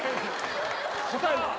答えは？